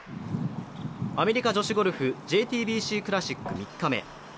アメリカ女子ゴルフＪＴＢＣクラシック３日目。